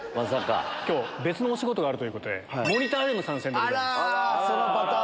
別のお仕事があるということでモニターでの参戦でございます。